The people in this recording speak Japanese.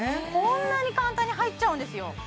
こんなに簡単に入っちゃうんですよ